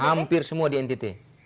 hampir semua di ntt